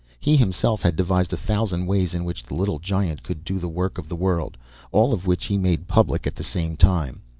He himself had devised a thousand ways in which the little giant should do the work of the world all of which he made public at the same time.